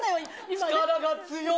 力が強い。